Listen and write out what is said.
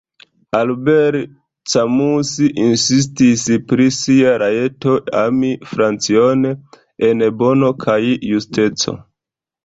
Albert Camus insistis pri sia rajto ami Francion en bono kaj justeco.